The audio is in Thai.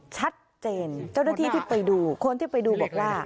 ชัดเจนเจ้าหน้าที่ที่ไปดูคนที่ไปดูบอกล่ะ